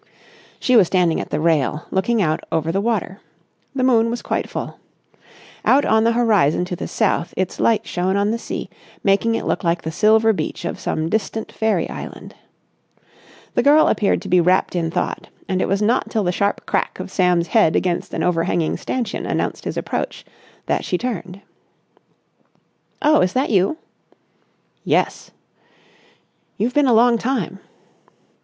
She was standing at the rail, looking out over the water. The moon was quite full. Out on the horizon to the south its light shone on the sea, making it look like the silver beach of some distant fairy island. The girl appeared to be wrapped in thought and it was not till the sharp crack of Sam's head against an overhanging stanchion announced his approach, that she turned. "Oh, is that you?" "Yes." "You've been a long time."